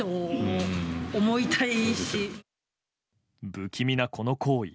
不気味な、この行為。